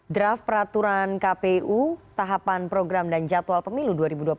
draft peraturan kpu tahapan program dan jadwal pemilu dua ribu dua puluh empat